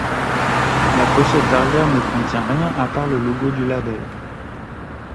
La pochette arrière ne contient rien à part le logo du label.